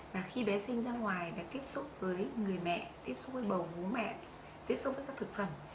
và khi bé sinh ra ngoài việc tiếp xúc với người mẹ tiếp xúc với bầu bố mẹ tiếp xúc với các thực phẩm